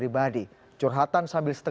saya juga saya liatin terus